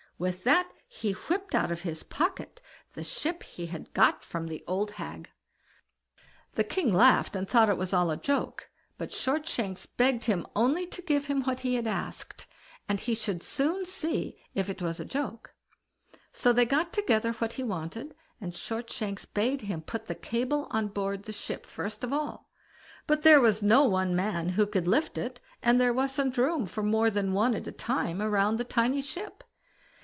With that he whipped out of his pocket the ship he had got from the old hag. The king laughed, and thought it was all a joke; but Shortshanks begged him only to give him what he asked, and he should soon see if it was a joke. So they got together what he wanted, and Shortshanks bade him put the cable on board the ship first of all; but there was no one man who could lift it, and there wasn't room for more than one at a time round the tiny ship.